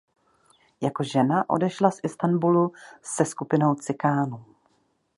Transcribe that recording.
Jako žena odešla z Istanbulu se skupinou cikánů.